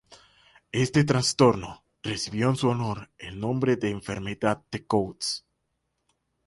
Este trastorno recibió en su honor el nombre de enfermedad de Coats.